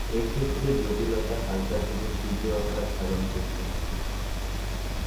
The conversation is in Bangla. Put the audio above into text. এক্ষেত্রে জটিলতা হালকা থেকে তীব্র আকার ধারণ করতে পারে।